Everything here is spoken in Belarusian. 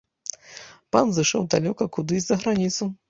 Пан зышоў далёка кудысь за граніцу!